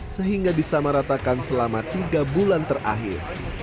sehingga disamaratakan selama tiga bulan terakhir